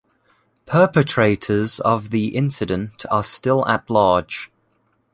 Perpetrators of the incident are still at large.